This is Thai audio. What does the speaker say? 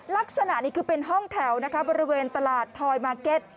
ลักษณะนี้คือเป็นห้องแถวนะคะบริเวณตลาดทอยมาร์เก็ต